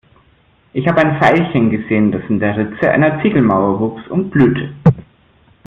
Ich hab ein Veilchen gesehen, das in der Ritze einer Ziegelmauer wuchs und blühte.